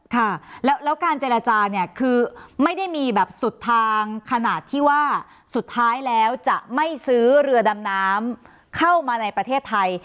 ค่ะแล้วการเจรจาเนี่ยคือไม่ได้มีแบบสุดทางขนาดที่ว่าสุดท้ายแล้วจะไม่ซื้อเรือดำน้ำเข้ามาในประเทศไทย